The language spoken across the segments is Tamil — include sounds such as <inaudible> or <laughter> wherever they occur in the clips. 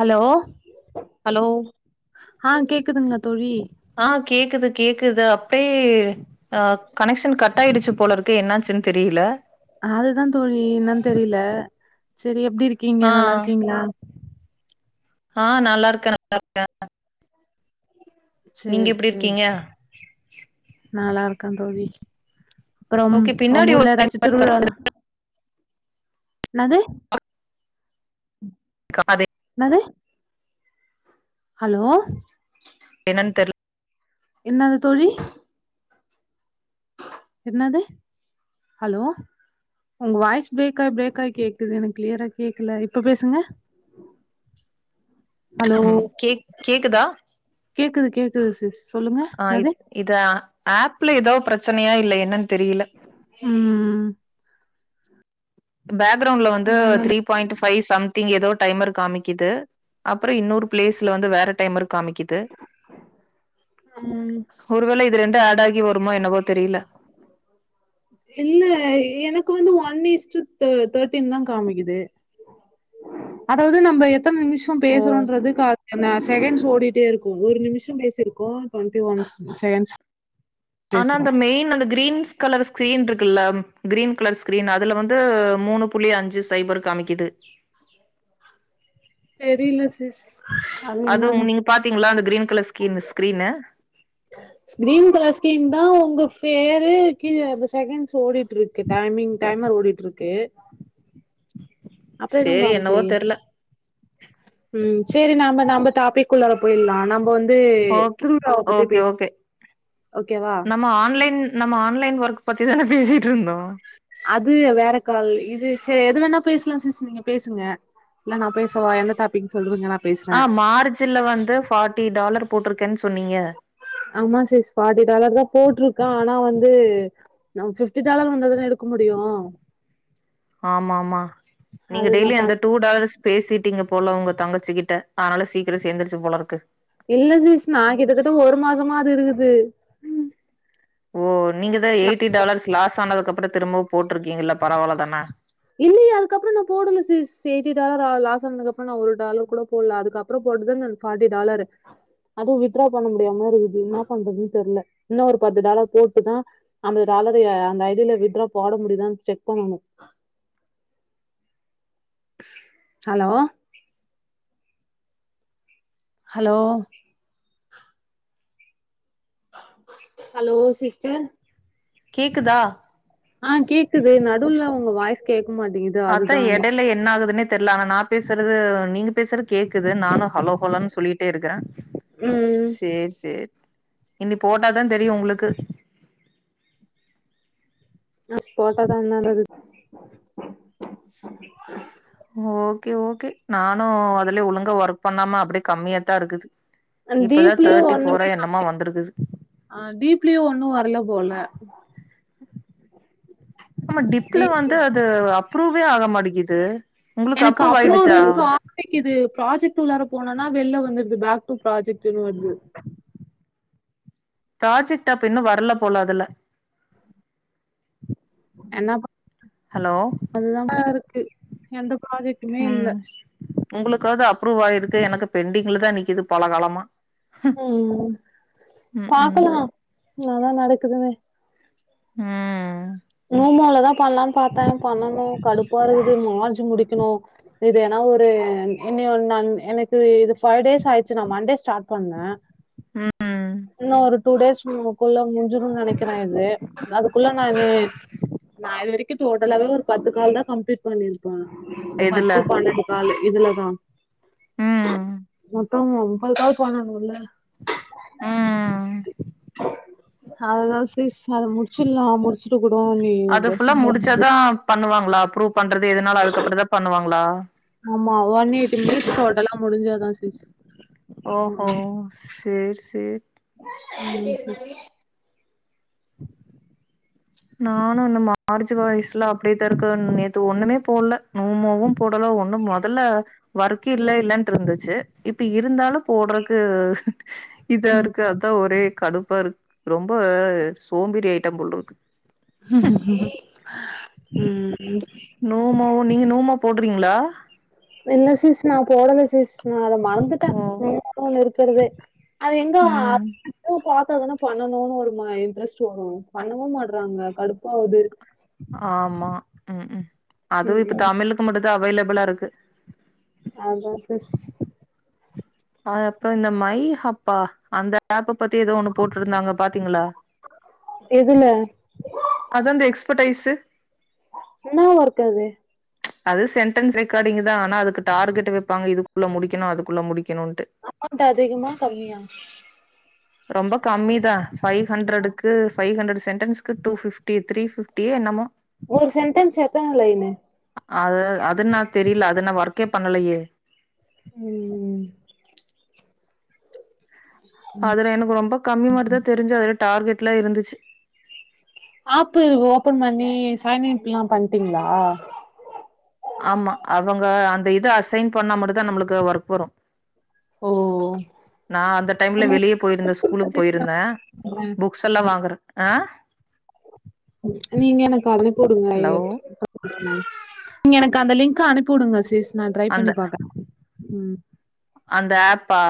ஹலோ ஹலோ ஆ கேக்குதுங்களா தோழி ஆ கேக்குது கேக்குது அப்டியே ஆ கனெக்சன் கட் ஆயிடுச்சு போலருக்கு என்னாச்சுன்னு தெரியல அதுதா தோழி என்னன்னு தெரியில செரி எப்டி இருக்கீங்க ஆ நல்லாருக்கீங்களா ஆ நல்லாருக்க நல்லாருக்க நீங்க சேரி எப்டி இருக்கீங்க நான் நல்லாருக்க தோழி அப்புறம் ஓகே உங்க பின்னாடி ஒரு ஊர்ல டைம் ஏதாச்சி திருவிழாலா என்னது காதே என்னது ஹலோ என்னனு தெர்ல என்னாது தோழி என்னாது ஹலோ உங்க வாய்ஸ் பிரேக்க ஆயி பிரேக் ஆயி கேக்குது எனக்கு வாய்ஸ் கிளியரா கேக்கல இப்ப பேசுங்க ஹலோ ம் கேக் கேக்குதா கேக்குது கேக்குது சிஸ் சொல்லுங்க ஆ என்னது இத் இத ஆப்ல ஏதோ பிரச்சனையா இல்ல என்னன்னு தெரியில ம் பேக்ரவுண்ட்ல வந்து த்ரீ பாயிண்ட்டு ஃபை சம்திங் ஏதோ டைமர் காமிக்குது அப்றோ இன்னொரு பிளேஸ்ல வந்து வேற டைமர் காமிக்குது ம் ஒருவேள இது ரெண்டு ஆட் ஆகி வருமோ என்னவோ தெரியல இல்ல எனக்கு வந்து ஒன் ஈஸ்ட்டு தே தேர்ட்டின் தா காமிக்குது அதாவது நம்ப எத்தன நிமிஷ ஓ பேசுறோன்றது க என்ன செகண்ட்ஸ் ஓடிட் டேருக்கு ஒரு நிமிஷோ பேசிருக்கோ டொன்ட்டி ஒன்ஸ் செகேன்ஸ் ஆனா அந்த மெயின் அந்த கிரீன்ஸ் கலர் ஸ்க்ரீன்ருக் க்குலம் கிரீன் கலர் ஸ்கிரீன் அதுல வந்து மூணு புள்ளி அஞ்சு சைபர் காமிக்குது தெரில சிஸ் அது உ நீங்க பாத்தீங்களா அந்த green colours ஸ்கீனுஸ் screen screen colour screen தா உங்க ஃபேரு கீழ அந்த செகன்ட்ஸ் ஓடிட் ட்ருக்கு டைமிங் டைமர் ஓடிட்ருக்கு அப்ப எதும் சரி என்னவோ காமிக்குலயே தெர்ல ம் சேரி நாம நாம்ப டாப்பிக்குள்ளார போயிலா நம்போ வந்து திருவிழாவ பத் கே ஒகே நம்ம ஆன்லைன் நம்ம ஆன்லைன் ஒர்க் பத்திதானே பேசிட்ருந்தோ அது வேறக்கால் இது சேர் எது வேணா பேசுலா சிஸ் நீங்க பேசுங்க இல்ல நா பேஸ் ஆ மார்ச்சில்ல வந்து ஃபார்ட்டி டாலர் போட்ருக்கேன் சொன்னீங் ஆமா சிஸ் பாதி டாலர் தா போட்ருக்கே ஆனா வந் து நம்ம பிஃட்டி டாலர் வந்தா தானே எடுக்க முடியு ஆமா ஆமா நீங்க அது நா டெய்லியு அந்த பண் டூ டாலர்ஸ் பேசிட்டீங்க போல உங்கத் தங்கச்சிக்கிட்ட அனால சீக்கிரோ சேந்தருச்சு போல இருக்கு இல்ல சிஸ் நா கிட்ட தட்ட ஒரு மாசமா அது இருக்குது ஓ நீங்கதா எயிட்டி டாலர்ஸ் லாஸ் ஆனதுக்கப்பறோ திரும்பவு போட்ருக்கீங்கல்ல பரவால தான இல்லையே அதுக்கப்றோ நா போடல சிஸ் எயிட்டி டாலர்ரா லாஸ் ஆனதுக்கப்றோ நா ஒரு டாலர் கூட போல்ல அதுக்கப்பறோ போட் போட்டுதா நன் ஃபார்ட்டி டாலர்ரு அதுவு வித்ரா பண்ண முடியாம இருகுது என்ன பண்றதுன் தெர்ல இன்னு ஒரு பத்து டாலர் போட்டுதா ஐம்பது டா அல்லது அந்த இதுல விட்றா போட முடியுதான் செக் பண்ணணு ஹலோ ஹலோ ஹலோ சிஸ்டர் கேக்குதா ஆ கேக்குது நடுல உங்க வாய்ஸ் கேக் அதா எடையில என்ன ஆகுதுன்னே தெர்ல ஆனா நா பேசுறது நீங்க பேசுறது கேக்குது நானு ஹலோ ஹோலன் சொல்லிட்டே இருக்கறே ம் சேர் சேர் இனி போட்டாதா தெரியு உங்களுக்கு நாஸ் போட்டதா நல்லது ஓகே ஓகே நானு அதுலயே ஒழுங்க ஒர்க் பண்ணாம அப்டியே கம்மியாத்தா இருக்குது அ இப்பதா டீப்லியு தேர்ட்டி ஃபோரா ஒண்ணுமே என்னமோ வந்திருக்குது ஆ <unintelligible> டீப்லியு ஒண்ணு வர்ல போல ஆமா டிப்ல டீப் வந்து அது அப்ரூவே ஆகமாட்டிக்குது எனக்கு அப்ரூவ்டுன் காமிக்கிது ப்ராஜெக்ட் உள்ளார போனனா வெள்ல வந் ந்துருது பேக் டூ ப்ராஜெக்ட்ன்னு வருது ப்ராஜெக்ட்‌ அப்ப இன்னு வரல போல அதுல என்னாப்பா ஹலோ அதுதா <unintelligible> இருக்கு எந்தப் ம் உங்களுக்காவது அப்ரூவ் ஆயிருக்கு எனக்கு பெண்டிங்ல தா நிக்குது பல காலமா ம் ம் ம் நல்லா நடக்குதுங்க ம் ஆமா அவ்ளோதா பண்ணலான்னு பாத்தே பண்ணணு கடுப்பா இருகுது மார்ச்சு முடிக்கணு இது ஏன்னா ஒரு ம் இனி எவ்ளோ நான் எனக்கு இது பைவ் டேஸ் ஆயிடுச்சு நா மண்டே ஸ்டார்ட் பண்ணே ம் இன்னு ஒரு டூ டேஸ் <unintelligible> க்குள்ள முஞ்சுருன்னு நெனைக்கிறே இது அதுக்குள்ளன் நானு நா இது வரைக்கு டோட்டலாவவே ஒரு பத்து கால் தா கம்ப்ளீட் பண்ணிருக்கு அ ஒரு இதுல பத்து பன்னெண்டு காலு இதுலதா ம் மொத்தோ ஒரு முப்பது கால் பண்ணனும்ல அவ்ளோ சிஸ் அத முடிச்சிட்லா முட் முடிச்சிட்டு கூடோ நீ அது ஃபுல்லா முடிச்சாதா <unintelligible> பண்ணுவாங்களா அப்ரூவ் பண்றது எதுனாலு அதுக்கப்புற தா பண்ணுவாங்களா ஆமா ஒன் எயிட்டி மினிட்ஸ் டோட்டலா முடிஞ்சாதா சிஸ் ஓஹோ சேரி சேரி ம் சிஸ் நானு அந்த மார்ச் வாய்சுல அப்டியேதா இருக்கேன் நேத்து ஒன்னுமே போட்ல நோமோவு போடல ஒன்னும் மொதல்ல வர்க் இல்ல இல்ல இன்ட்டு இருந்துச்சி இப்ப இருந்தாலும் போட்றக்கு இதா ம் இருக்கு அதான் ஒரே கடுப் பா இருக் ரொம்ப சோம்பேறி ஆகிட்டே போல இருக்கு ம் நோமோவு நீங்க நூமோ போட்றீங்களா இல்ல சிஸ் நா போடல சிஸ் நா அத மறந்துட்டே ஓ <inaudible> இருக்கறதே அது எங்க ம் <inaudible> த்தாதானே பண்ணனும்னு ஒரு இன்ட்ரெஸ்ட் வரு பண்ணவு மாட்றாங்க கடுப்பாவுது ஆமா க்கும் அதுவு ம் இப்ப ம் தமிழுக்கு மட்டும்தா அவைலபிளா இருக்கு அதா சிஸ் அ அப்றோ இந்த மை ஹப்பா அந்த அப்ப பத்தி ஏதோ ஒன்னு போட்டிருந்தாங்க பாத்தீங்களா எதுல அதா அந்த எக்ஸ்பர்டைஸு என்ன ஒர்க் அது அதே சென்டென்ஸ் ரெக்கார்டிங் தா ஆனா அதுக்கு டார்கெட் வெப்பாங்க இதுக்குள்ள முடிக்கனு அதுக்குள்ள முடிக் அமௌன்ட் அதிகமா கம்மியா ரொம்ப கம்மி தா ஃபைவ்ஹண்ட்ரடுக்கு ஃபைவ் ஹண்ட் சி சென்டன்ஸ்கு டூ பிப்டி த்ரீ ஃப்டியோ என்னமோ ஒரு சென்டன்ஸ் எத்தன லைனு அது அது நாக் தெரியல அது நா ஒர்க்கே பண்ணலையே ம் அதுல எனக்கு ரொம்ப கம்மி மாரிதா தெரிஞ்சி அதுல டார்கெட்லா இருந்துச்சி அப் ஓபன் பண்ணி சையனப்லாம் பண்டிங்களா ஆமா அவங்க அந்த இது அசைன் பண்ண மட்டும் தா நம்மளுக்கு ஒர்க் வரும் ஓ நா அந்த டைம்ல வெளியே போயிருந்தே நீங்க ஸ்கூலுக்கு போயிருந்தே புக்ஸ் எல்லா வாங்கறக் ஆ நீங்க எனக்கு அனுப்பி உடுங்க ஹலோ நீங்க எனக்கு அந்த லிங்க அனுப்பி விடுங்க சிஸ் நா ட்ரை அந்த பண்ணி பாக்க ம் அந்த ஆப்பா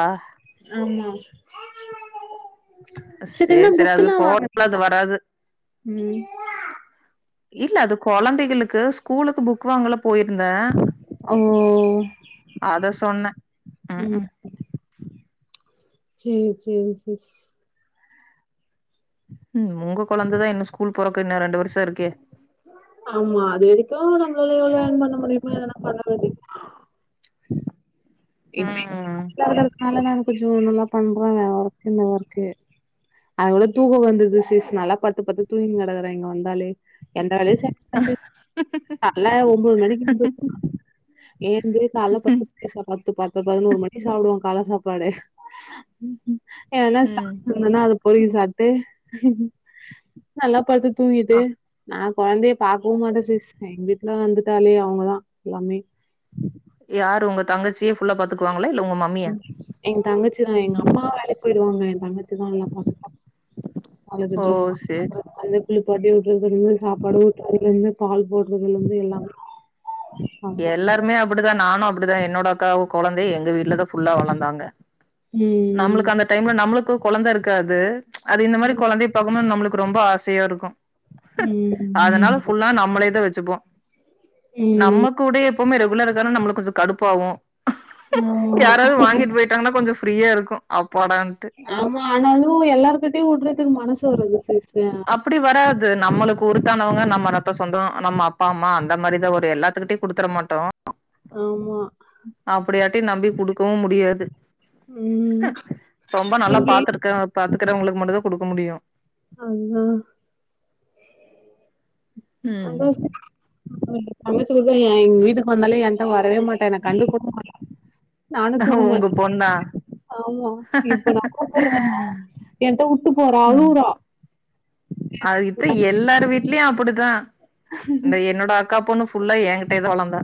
ஆமா நேத் என்ன சேரி சேரி புக் அது எல்லா போல அது வாங்கனீங்களா வராது இல்ல அது கொழந்தைகளுக்கு ஸ்கூலுக்கு புக் வாங்கலாம் போயிருந்தே ஓ க்கு ம் சேரி சேரி சிஸ் ம் உங்க கொழந்த தா இன்னு ஸ்கூல் போறக்கு இன்னு ரெண்டு வருஷ் ஆமா அது வரைக்கு நம்மளால எவ்ளோ யேன் பண்ண முடியுமோ எதுனா பண்ண வேண்டிதா ம் அதுதா இருக் நல்லா தா இருக் கொஞ்சோ நல்லா பண்றாங்க எல்லாரு இந்த ஒர்க்கு அது கூட தூக்கோ வந்துட்து சிஸ் நல்லா படுத்து படுத்து தூங்கி கெடக்குற இங்க வந்தாலே எந்த வேலையு <unintelligible> கால்ல ஒம்போது மணிகிஞ்ச ஏன்து கால்ல <unintelligible> பத்து பதினோரு மணி சாப்டுவோ கால்ல சாப்பாடே என்னா ம் சாப்டுந்தனா அத பொரிகி சாப்ட்டு நல்லா பத்து தூங்கிட்டு அ நா கொழந்தைய பாக்கவு மாட்டே சிஸ் எங்க வீட்ல வந்துட்டாலே அவுங்கதா எல்லாமே யாரு ஒங்க தங்கச்சியே ஃபுல்லா பாத்துக்குவாங்களா இல்ல உங் எங் தங்கச்சிதா எங்கம்மா வேலைக் போயிருவாங்க எந் தங்கச்சிதா எல்லா பாத்துப்பா அவளுக்கு ஓ டிரஸ் சேரி <unintelligible> கிளிப் பட்டி ஊட்டிவுட்றதலந்து சாப்பாடு ஊட்டிவுட்றதலந்து பால் போட்றதலந்து எல்லாமே அவ தான். எல்லாருமே அப்டிதா நானும் அப்டிதா என்னோட அக்காவு கொழந்தையு எங்க வீட்லதா ஃபுல்லா வளந்தாங்க ம். நம்ளுக்கு அந்த டைம்ல நம்ளுக் கு கொழந்தருக்காது அது இந்த மாறி கொழந்தைய பாக்கும் போது நம்ளுக்கு ரொம்ப ஆசையாருக்கு அதனால ம். ஃபுல்லா நம்மளேதா வச்சுப்போ ம். நம்ம கூட எப்போமே ரெகுலருக்கான நம்மளுக்கு கொஞ்ச கடுப்பாவு ஆமா. யாராவது வாங்கிட்டு போயிட்டாங்கனா கொஞ்ச ஃப்ரீயாருக்கு அப் ஆமா ஆனாலு எல்லார் கிட்டயு உட்றதகு மனசு வராது சிஸ் அப்டி வராது நம்மளுக்கு ஒருத்தானவங்க நம்ம ரத்த சொந்த நம்ம அப்பா அம்மா அந்த மாறிதா வரு எல்லாத்துக்கிட்டியு குடுத்தற மாட்டோ ஆமா தி நம்பி குடுக்கவும் முடியாது ம் ரொம்ப நல்லா இப்டி பாத்திருக்கே பாத்துக்கறவங்களுக்கு மட்டுந்தா குடுக்க முடியு அதுதா ம் <unintelligible> தங்கச்சி வெவ்வே ஏ வீட்டுக்கு வந்தாலே ஏன்ட வரவே மாட் ட்டா என்ன கண்டுக்கோட மாட்டா நானு உங்க தூங்கமாட் பொண்ணா <unintelligible> ஆமா இப்ப நா கூப்புர்றே ஏன்ட்ட வுட்டுப் போறா அழுவ்றா அதுகித்த எல்லார் வீட்லியு அப் ப்புடிதா இந்த என்னோட அக்கா பொண்ணு ஃபுல்லா எங்கிட்டியேதா வளந்தா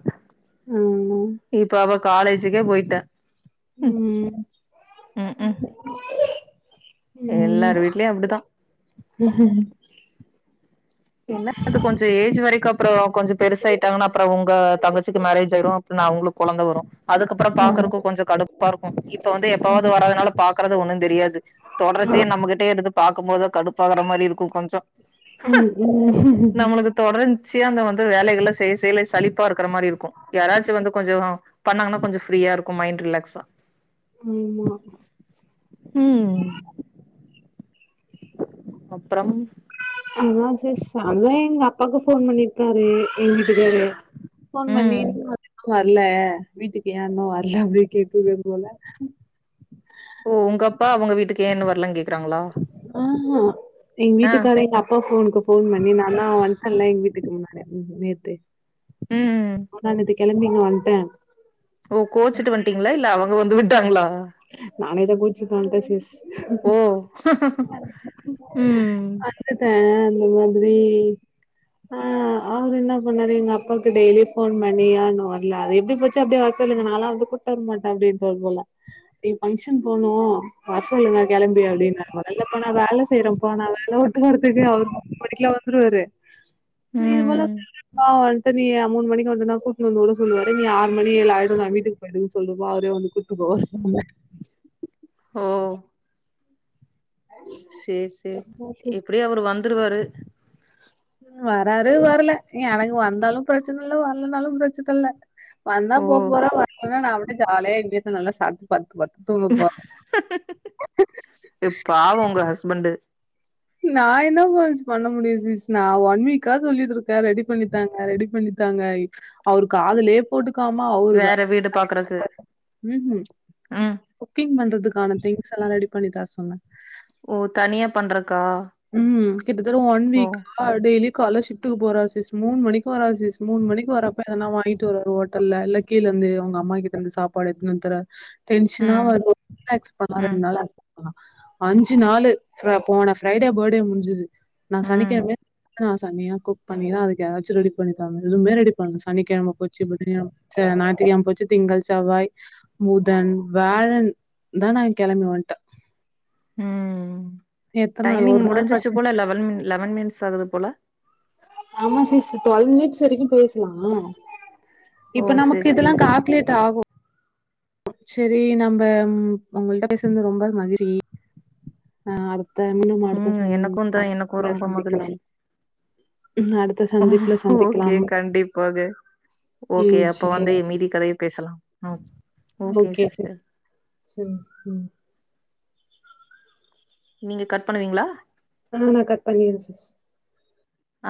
ம் இப்ப அவ காலேஜுகே போயிட்டா ம் ம் உம் எல்லார் வீட்லயு அப்டிதா உம் என்ன அது கொஞ்ச ஏஜ் வரைக்கு அப் அப்ற கொஞ்ச பெருசாயிட்டாங்கனா அப்ற ஒங்க தங்கச்சிக்கு மேரேஜ் ஆயிரு பின்ன அவுங்ளுக் கொழந்த வரு அதுக்கப்ற பாக்றக்கு கொஞ்ச கடுப்பாருக்கு இப்ப வந்து எப்பாவது வராதுனால பாக்குறது ஒன்னுந் தெரியாது தொடர் ச்சியா நம்மகிட்டே இருந்து பாக்கும் போதுதா கடுப்பாகற மாறி இருக்கு கொஞ்ச ம் ம் நம்மளுக்கு தொடர்ந்ச்சு சியா அந்த வந்து வேலைகள்லா செய் செய்யலே சலிப்பா இருக்கிற மாறி இருக்கு யாராச்சு வந்து கொஞ்ச பண்ணாங்கனா கொஞ்ச ஃப்ரீயா இருக்கு மைண்ட் ரிலேக்ஸா ஆமா உம் அப்றம் அதா சே செமே எங்க அப்பாக்கு ஃபோன் பண்ணிருக்காரு எங்க வீட்டுக்காரு ஃபோன் பண்ணி ம் வர்ல வீட்டுக்கு ஏ இன்னு வர்ல அப்டி அப்டே கேட்குவே போல ஓ உங்க அப்பா அவுங்க வீட்டுக்கு ஏ இன்னு வர் அ ஆ எங்க ஆ வீட்டுகாரு எங்க அப்பா ஃபோனு க்கு ஃபோன் பண்ணி நானா வன்டல்ல எங் வீட்டுக்கு முன்னாடி <unintelligible> ம் முன்த்தா நேத்து கெளம்பி இங்க வன்ட்டே ஓ கோச்சுட்டு வன்ட்டீங்ளா இல்ல அவுங்க வந்து விட்டாங்ளா நானேதா கோச்சிட்டு வன்ட்ட சிஸ் ஓ உம் <unintelligible> அ அவரு என்ன பண்ணாரு எங்க அப்பாவுக்கு டெய்லியு ஃபோன் பண்ணி ஏ இன்னு வரல அது எப்படி போச்சோ அப்டே சொல்லுங்க நாளா வந்து கூப்ட் வரமாட்ட அப்டின்னு சொல் போல ங்க பங்க்ஷன் போணு வர சொல்லுங்க கெளம்பி அப்டின்னாரு நல்ல ப்பா நா வேல செய்றப்பா நா வேல உட்டு வரதுக்கே அவரு <unintelligible> மணிக்குல்லா வந்துருவாரு நீ இதுபோல ம் சொல்றிபா இப்ப நீ மூணு மணிக்கு வந்தன கூட்னு வந்து வுட சொல்லுவாறு நீ ஆறு மணி ஏழ் ஆய்டு நா வீட்டுக்கு போய்டு சொல்லுவாறு வந்து கூட்டு போ <unintelligible> ஓ சேரி சேரி எப்டியோ அவரு வந்துருவாரு ம் வராரு வரல எனக்கு வந்தாலு பிரச்சன இல்ல வரல்லனாலு பிரச்சன இல்ல வந்தா ஓ போ போரோ வர்லனா நா பாட்டு ஜாலியா எங்க வீட்ல நல்லா சாப்ட்டு பத்துப்ப பாவு உங்க ஹஸ்பண்ட்டு நா என்ன பொஷ் பண்ண முடியு சிஸ் நா ஒன் வீக்கா சொல்லிட்டு இருக்க ரெடி பண்ணித்தாங்க ரெடி பண்ணி தாங்காய் அவரு காதுலயே போட்டு க்காம அவுருவ வேற வீடு வேலையில பாக்குறக்கு இருக்காரு உஹும் ம் குக்கிங் பண்றதுக்கான திங்ஸ்ஸல்லா ரெடி பண்ணி தர சொன்ன ஓ தனியா பண்றது உம் கிட்ட தட்ட ஒன் ஓ வீக்கா டெய்லி கால்ல ஷிப்ட்டுக்கு போறாரு சிஸ் மூணு மணிக்கு வராரு சிஸ் மூணு மணிக்கு வரப்ப எதனா வாங்கிட்டு வருவாரு ஹோட்டல இல்னா கீழ ந்து அவுங்க அம்மா கிட்ட இருந்து சாப்பாடு எடுத்துன்னு வந்து தரா டென்ஷ்ன்னா ம் வரு ரிலாக்ஸ் பண்லா ம் ரெண்டு நாளா ரிலாக்ஸ் பண்லா அஞ்சு நாளு அ போன ஃப்ரைடே பர்டே முஞ்சுது நா ம் சனிக்கெழமயே நா செம்மயா குக் பண்ணிர அதுக்கு ஏதாச்சு ரெடி பண்ணி தரனு எதுமே ரெடி பண்ணல சனிக்கெழம கொச்சு போய்ட்டு திங்ககெழம ச்ச நாய்த்து கெழம போச்சு திங்கள் செவ்வாய் புதன் வியாழன் தா நா கெளம்பி வன்ட்ட ம் எ டைமிங் முடிஞ்சிருச்சு போல லெவன் லெவன் மினிட்ஸ் ஆகுது போல ஆமா சிஸ் டொல் மினிட்ஸ் வரைக்கு பேசலா ஓ இப்ப சேரி நமக்கு சேரி இதெல்லா கால்குலேட் ஆகு சேரி நம்ப ம் உங்கள்ட்ட பேசுனது ரொம்ப மகிழ்சி அ அ தன் நம்ம அடுத்த ம் சன் எனக்குந்தா எனக்கு ச ரொம்ப மகிழ்ச்சி சந்திக்கலாம் அடுத்த சந்திப்ல ஓகே சந்திக்லாம் கண்டிப்பாக ஓகே அப்ப வந்து மீதி கதைய பேசலா அ ஓகே சிஸ்டர் சரி உம் நீங்க கட் பண்ணுவீங்ளா ஆ நா கட் பண்ணிர சிஸ் ஆ